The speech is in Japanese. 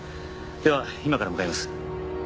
では今から向かいます。